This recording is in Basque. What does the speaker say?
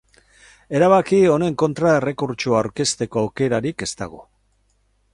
Erabaki honen kontra errekurtsoa aurkezteko aukerarik ez dago.